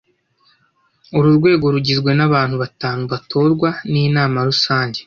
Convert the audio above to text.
uru rwego rugizwe n abantu batanu batorwa n inama rusange